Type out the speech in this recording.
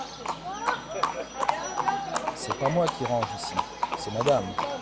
C’est pas moi qui range ici !… c’est Madame.